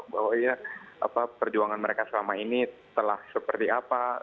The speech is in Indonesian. bahwa perjuangan mereka selama ini telah seperti apa